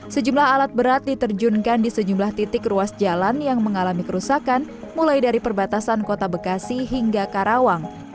sejumlah alat berat diterjunkan di sejumlah titik ruas jalan yang mengalami kerusakan mulai dari perbatasan kota bekasi hingga karawang